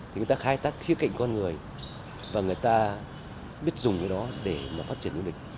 thì người ta khai tác khía cạnh con người và người ta biết dùng cái đó để mà phát triển du lịch